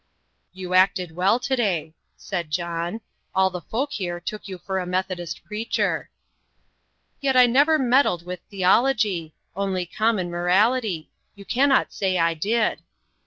"You acted well to day," said John; "all the folk here took you for a methodist preacher." "Yet I never meddled with theology only common morality. You cannot say I did."